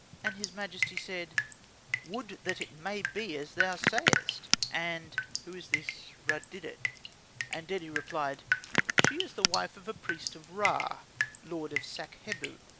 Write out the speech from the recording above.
And his majesty said, "Would that it may be as thou sayest! And who is this Rud didet?" And Dedi replied, "She is the wife of a priest of Ra, lord of Sakhebu.